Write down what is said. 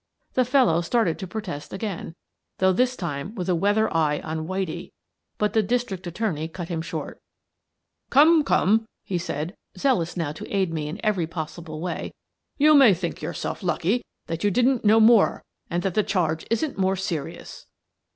The fellow started to protest again — though this time with a weather eye on " Whitie "— but the district attorney cut him short " Come, come !" he said, zealous now to aid me in every possible way. "You may think yourself lucky that you didn't know more and that the charge isn't more serious."